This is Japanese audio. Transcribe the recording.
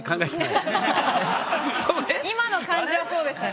今の感じはそうでした。